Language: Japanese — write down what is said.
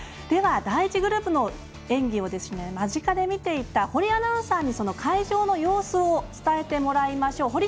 では、第１グループの演技を間近で見ていた堀アナウンサーに会場の様子を伝えてもらいましょう。